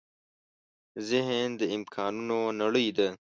ذهن د امکانونو نړۍ ده.